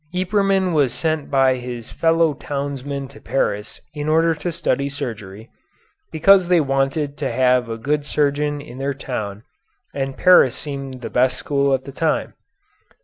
Yperman was sent by his fellow townsmen to Paris in order to study surgery, because they wanted to have a good surgeon in their town and Paris seemed the best school at that time.